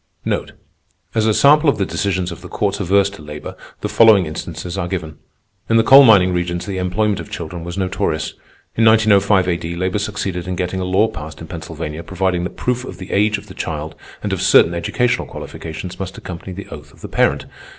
As a sample of the decisions of the courts adverse to labor, the following instances are given. In the coal mining regions the employment of children was notorious. In 1905 A.D., labor succeeded in getting a law passed in Pennsylvania providing that proof of the age of the child and of certain educational qualifications must accompany the oath of the parent.